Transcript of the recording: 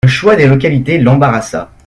Le choix des localités l'embarrassa.